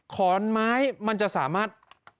ขอนไม้มันจะสามารถ